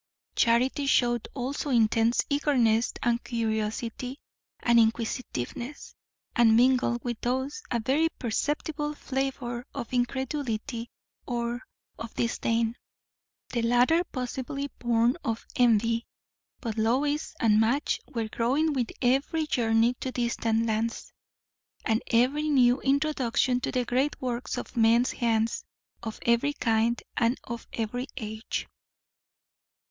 Charity showed also intense eagerness and curiosity, and inquisitiveness; and mingled with those, a very perceptible flavour of incredulity or of disdain, the latter possibly born of envy. But Lois and Madge were growing with every journey to distant lands, and every new introduction to the great works of men's hands, of every kind and of every age.